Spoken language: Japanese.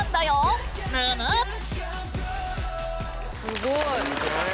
すごい。